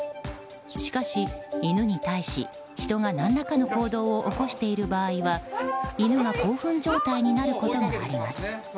しかし、犬に対し人が何らかの行動を起こしている場合は、犬が興奮状態になることがあります。